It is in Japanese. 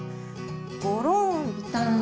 ごろんびたん。